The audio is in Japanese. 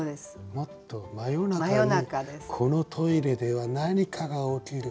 もっと真夜中にこのトイレでは何かが起きる。